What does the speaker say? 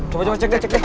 coba coba cek deh cek deh